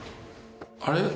「あれ？